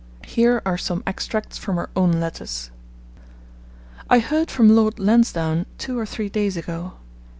Here are some extracts from her own letters: I heard from Lord Lansdowne two or three days ago.